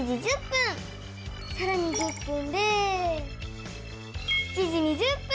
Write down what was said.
さらに１０分で７時２０分！